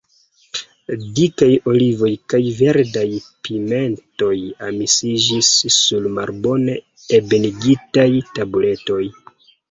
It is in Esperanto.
Dikaj olivoj kaj verdaj pimentoj amasiĝis sur malbone ebenigitaj tabuletoj.